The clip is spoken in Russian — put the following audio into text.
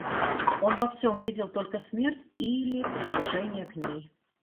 Он во всем видел только смерть или приближение к ней.